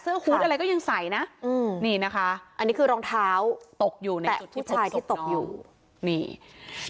เสื้อฮูตอะไรก็ยังใสนะอันนี้คือรองเท้าตกอยู่ในจุดที่พดสกน้อง